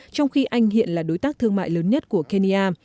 trong khi anh hiện là đối tác thương mại lớn nhất của kenya